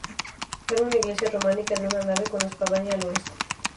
Era una iglesia románica de una nave, con espadaña al oeste.